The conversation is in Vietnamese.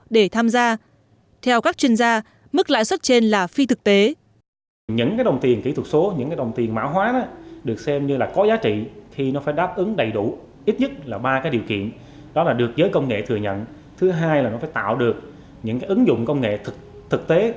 để tham gia theo các chuyên gia mức lãi suất trên là phi thực tế